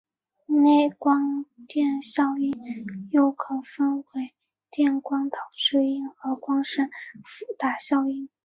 内光电效应又可分为光电导效应和光生伏打效应。